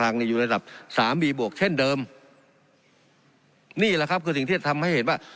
อยู่ระดับสามีบวกเช่นเดิมนี่แหละครับคือสิ่งที่จะทำให้เห็นว่า